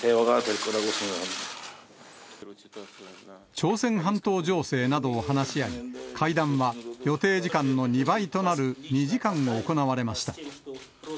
朝鮮半島情勢などを話し合い、会談は予定時間の２倍となる２時間行われました。